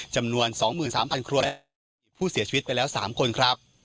จำนวน๒๓๐๐คนมีผู้เสียชีวิตไปแล้ว๓คนครับ